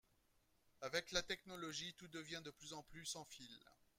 Avec la technologie tout devient de plus en plus sans fil